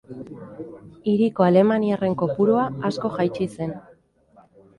Hiriko alemaniarren kopurua asko jaitsi zen.